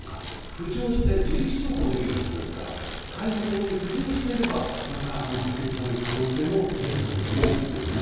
浮上して自力走行できるはずですから海上に浮上していればまた、発見される可能性も出てくると思うんですよね。